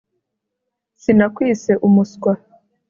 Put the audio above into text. Sinakwise umuswa